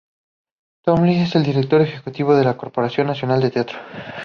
Tom Lee, es el Director Ejecutivo de la Corporación Nacional de Teatro.